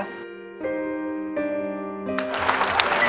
นั่นคือภาพชีวิตของพี่โอ